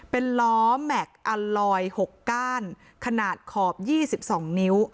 เป็นล้อแม็กซ์อัลลอยด์หกก้านขนาดขอบยี่สิบสองนิ้ว